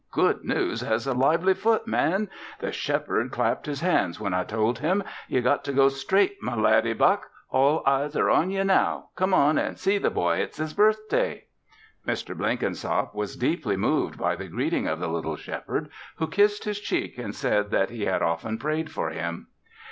Good news has a lively foot, man. The Shepherd clapped his hands when I told him. Ye got to go straight, my laddie buck. All eyes are on ye now. Come up an' see the boy. It's his birthday!" Mr. Blenkinsop was deeply moved by the greeting of the little Shepherd, who kissed his cheek and said that he had often prayed for him.